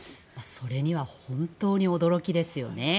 それには本当に驚きですよね。